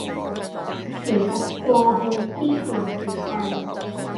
其實過去呢段時間